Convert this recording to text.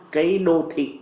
cái đô thị